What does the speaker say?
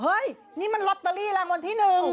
เฮ้ยนี่มันลอตเตอรี่ละวันที่หนึ่ง